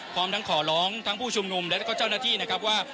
พร้อมทั้งขอร้องทั้งผู้ชุมนุมและก็เจ้าหน้าที่นะครับว่า